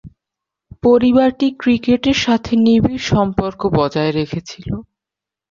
পরিবারটি ক্রিকেটের সাথে নিবিড় সম্পর্ক বজায় রেখেছিল।